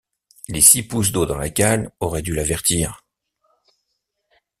Les six pouces d’eau dans la cale auraient dû l’avertir.